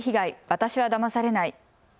私はだまされない。